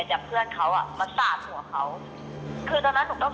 สักครั้งหนึ่งเขาก็ศาสตร์อีกครั้งที่สองหนูก็เอ็ม